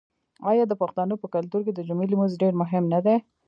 آیا د پښتنو په کلتور کې د جمعې لمونځ ډیر مهم نه دی؟